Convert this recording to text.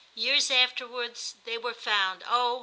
Years afterwards they were found, oh